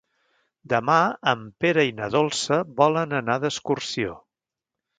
Demà en Pere i na Dolça volen anar d'excursió.